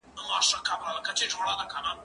زه اوږده وخت د کتابتون د کار مرسته کوم؟